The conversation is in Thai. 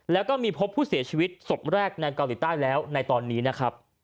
แล้วก็มีพบผู้เสียชีวิตศพแรกในเกาหลีใต้แล้วในตอนนี้นะครับ